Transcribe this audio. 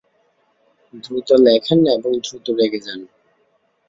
দ্রুত লেখেন এবং দ্রুত রেগে যান।